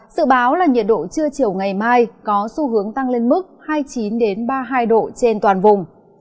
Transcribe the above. sự báo là nhiệt độ trưa chiều ngày mai có xu hướng tăng lên mức hai mươi chín ba mươi hai độ trên toàn vùng